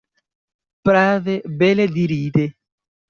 Prave, bele dirite!